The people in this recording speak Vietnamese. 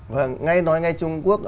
vâng ngay nói ngay trung quốc